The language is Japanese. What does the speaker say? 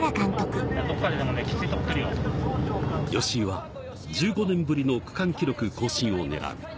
吉居は１５年ぶりの区間記録更新を狙う。